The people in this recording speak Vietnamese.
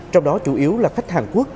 trong đó chủ yếu là khách hàn quốc